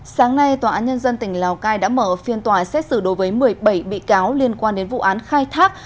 sáng nay tòa án nhân dân tỉnh lào cai đã mở phiên tòa xét xử đối với một mươi bảy bị cáo liên quan đến vụ án khai thác